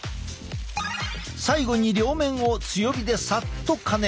最後に両面を強火でさっと加熱。